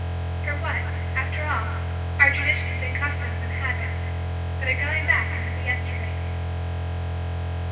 For what, after all, are Traditions and customs and habits but a going back into the Yesterdays.